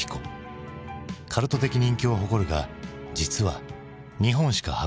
カルト的人気を誇るが実は２本しか発表していない。